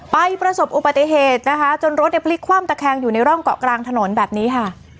ประสบอุบัติเหตุนะคะจนรถเนี่ยพลิกคว่ำตะแคงอยู่ในร่องเกาะกลางถนนแบบนี้ค่ะ